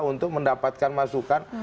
untuk mendapatkan masukan